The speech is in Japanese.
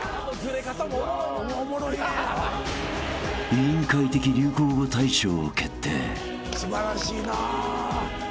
［『委員会』的流行語大賞を決定］